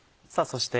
そして。